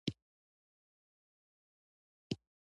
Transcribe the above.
مېوې د افغانستان په طبیعت کې مهم رول لري.